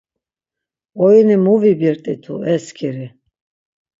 Oyini mu vibirt̆itu e sǩiri!